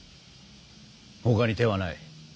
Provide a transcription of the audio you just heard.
ほかに手はない。